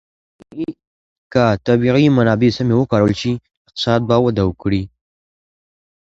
که طبیعي منابع سمې وکارول شي، اقتصاد به وده وکړي.